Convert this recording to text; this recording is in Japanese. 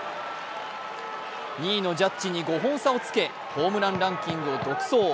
２位のジャッジに５本差をつけホームランランキングを独走。